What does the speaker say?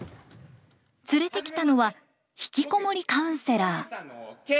連れてきたのは引きこもりカウンセラー。